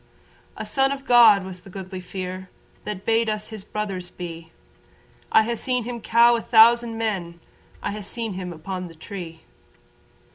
A son of God was the Goodly Fere That bade us his brothers be. I ha' seen him cow a thousand men. I have seen him upon the tree.